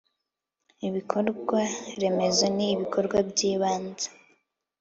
ibikorwaremezo ni ibikorwa by'ibanze